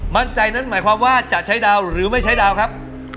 มั่นใจนั้นหมายความว่าจะใช้ดาวหรือไม่ใช้ดาวครับ